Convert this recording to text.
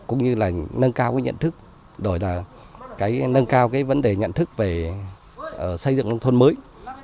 cũng như là nâng cao cái nhận thức rồi là nâng cao cái vấn đề nhận thức về xây dựng nông thôn mới